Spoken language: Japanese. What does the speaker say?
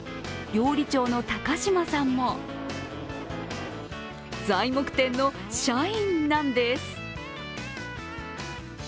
料理長の高嶋さんも材木店の社員なんです。